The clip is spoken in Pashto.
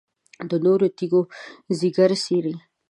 د تورو تیږو ځیګر څیري،